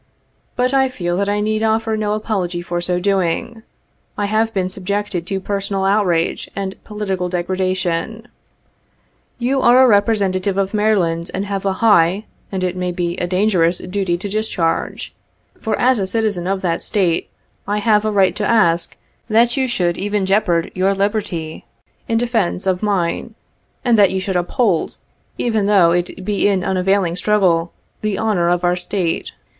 But I feel that I need offer no apology for so doing. — I have been subjected to personal outrage and political degradation. You are a representative of Maryland and have a high, and it may be a dangerous duty to discharge ; for as a citizen of that State, I have a right to ask that you should even jeopard your liberty in defence of mine, and that you should uphold, even though it be in an unavailing struggle, the honor of our State.